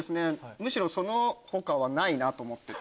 むしろその他はないなと思ってて。